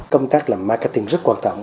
công tác làm marketing rất quan tâm